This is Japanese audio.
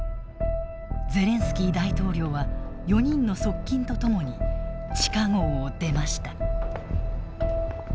ゼレンスキー大統領は４人の側近と共に地下壕を出ました。